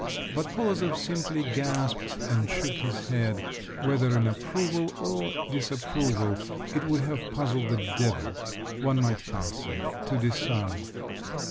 But Polozov simply gasped and shook his head, whether in approval or disapproval, it would have puzzled the devil, one might fancy, to decide.